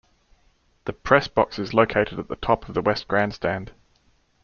The press box is located at the top of the west grandstand.